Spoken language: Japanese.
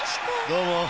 どうも。